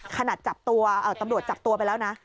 ขนาดจับตัวตำรวจจับตัวไปแล้วนะ